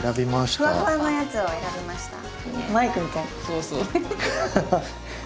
ふわふわのやつを選びました。